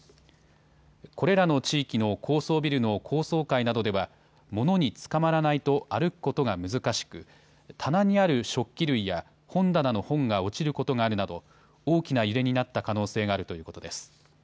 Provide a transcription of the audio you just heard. これらの地域の高層ビルの高層階などでは物につかまらないと歩くことが難しく、棚にある食器類や本棚の本が落ちることがあるなど大きな揺れになった可能性があるということです。